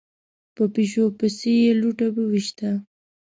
په پيشو پسې يې لوټه وويشته.